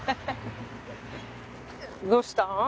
どうしたん？